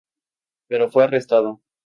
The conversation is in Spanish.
Pero fue arrestado.